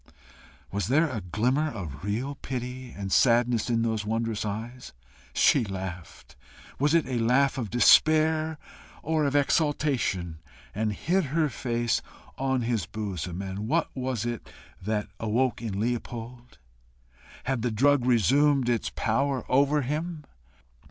Was there a glimmer of real pity and sadness in those wondrous eyes? She laughed was it a laugh of despair or of exultation? and hid her face on his bosom. And what was it that awoke in Leopold? Had the drug resumed its power over him?